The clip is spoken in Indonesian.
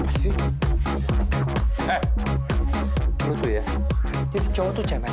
lalu itu sudah sampai